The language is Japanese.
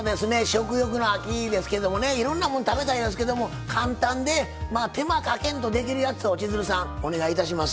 食欲の秋ですけどもねいろんなもん食べたいんですけども簡単で手間かけんとできるやつを千鶴さんお願いいたします。